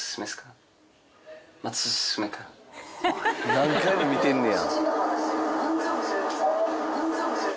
何回も見てんねや。